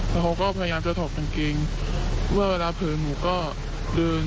แล้วเขาก็พยายามจะถอดกางเกงเมื่อเวลาถือหนูก็เดิน